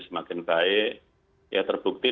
semakin baik ya terbukti